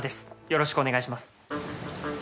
よろしくお願いします。